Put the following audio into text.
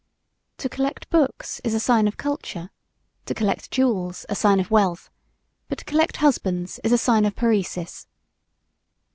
To collect books is a sign of culture, to collect jewels a sign of wealth, but to collect husbands is a sign of paresis.